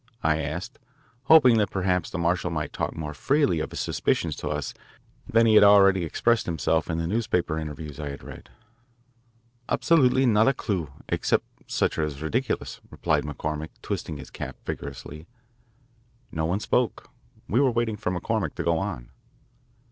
I asked, hoping that perhaps the marshal might talk more freely of his suspicions to us than he had already expressed himself in the newspaper interviews I had read. "Absolutely not a clue except such as are ridiculous," replied McCormick, twisting his cap viciously. No one spoke. We were waiting for McCormick to go on.